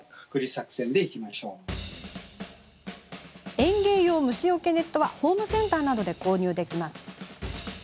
園芸用虫よけネットはホームセンターなどで購入できます。